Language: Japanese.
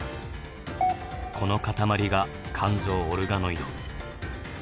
この塊が肝臓オルガノイド。